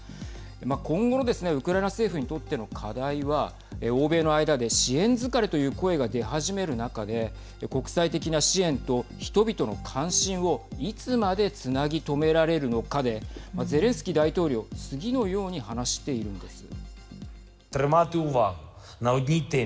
今後のですねウクライナ政府にとっての課題は欧米の間で支援疲れという声が出始める中で国際的な支援と、人々の関心をいつまでつなぎ止められるのかでゼレンスキー大統領次のように話しているんです。